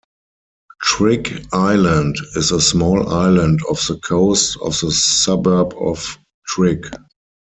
Trigg Island is a small island off the coast of the suburb of Trigg.